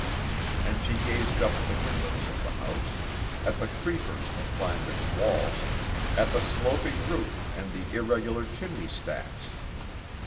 And she gazed up at the windows of the house, at the creepers that climbed its walls, at the sloping roof and the irregular chimney stacks.